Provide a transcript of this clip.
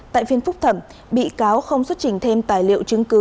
tại phiên phúc thẩm bị cáo không xuất trình thêm tài liệu chứng cứ